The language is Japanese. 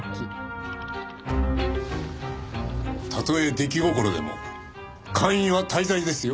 たとえ出来心でも姦淫は大罪ですよ。